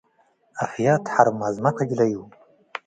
አፍያት ሐርማዝመ ከጅለዩ።